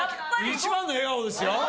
一番の笑顔ですよ。